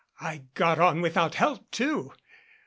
I got on without help, too.